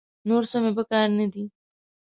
نور څه مې په کار نه دي.